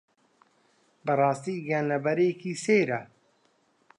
بەڕاستی گیانلەبەرێکی سەیرە